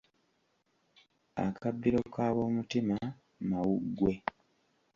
Akabbiro k’abomutima mawuggwe.